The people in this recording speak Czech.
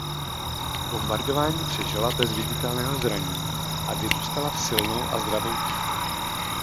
Bombardování přežila bez viditelného zranění a vyrůstala v silnou a zdravou dívku.